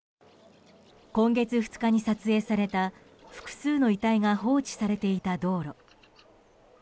今月２日に撮影された複数の遺体が放置されていた道路。